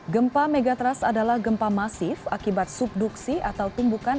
gempa megatrust adalah gempa masif akibat subduksi atau tumbukan